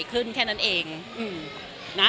มันก็เป็นความสุขเล็กน้อยของป้าเนาะ